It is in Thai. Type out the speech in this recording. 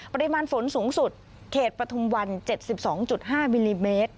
ปริมาณฝนสูงสุดเขตปฐมวันเจ็ดสิบสองจุดห้ามิลลิเมตร